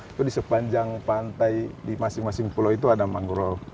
itu di sepanjang pantai di masing masing pulau itu ada mangrove